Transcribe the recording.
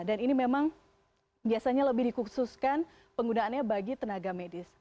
dan ini memang biasanya lebih dikhususkan penggunaannya bagi tenaga medis